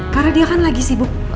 karena dia kan lagi sibuk